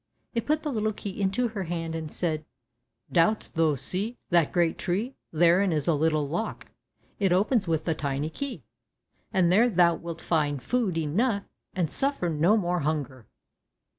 It put the little key in her hand, and said, "Dost thou see that great tree, therein is a little lock, it opens with the tiny key, and there thou wilt find food enough, and suffer no more hunger."